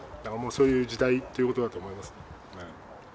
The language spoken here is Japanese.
そういう時代っていうことだと思います。